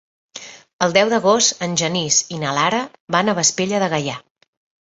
El deu d'agost en Genís i na Lara van a Vespella de Gaià.